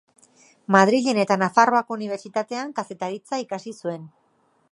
Madrilen eta Nafarroako Unibertsitatean kazetaritza ikasi zuen.